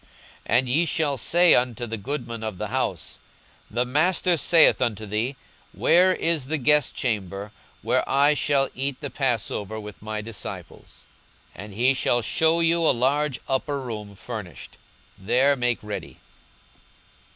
42:022:011 And ye shall say unto the goodman of the house, The Master saith unto thee, Where is the guestchamber, where I shall eat the passover with my disciples? 42:022:012 And he shall shew you a large upper room furnished: there make ready.